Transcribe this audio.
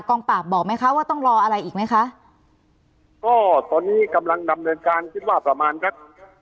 งปราบบอกไหมคะว่าต้องรออะไรอีกไหมคะก็ตอนนี้กำลังดำเนินการคิดว่าประมาณครับ